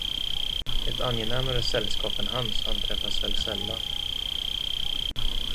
Ett angenämare sällskap än hans anträffas väl sällan.